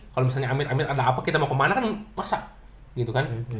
kalau misalnya amit amir ada apa kita mau kemana kan masak gitu kan